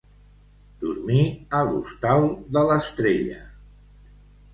Dormir a l'hostal de l'estrella.